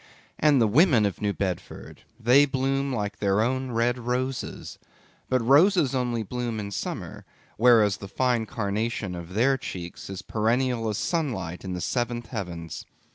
And the women of New Bedford, they bloom like their own red roses. But roses only bloom in summer; whereas the fine carnation of their cheeks is perennial as sunlight in the seventh heavens.